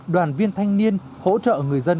đoàn viên thanh niên hỗ trợ người dân